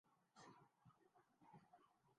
محکمہ wildlife پر فرض ہے کہ وہ ان کی حفاظت کریں